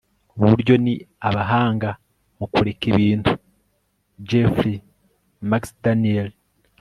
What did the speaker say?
uburyo ari abahanga mu kureka ibintu - jeffrey mcdaniel